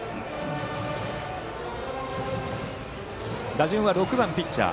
打順は６番ピッチャー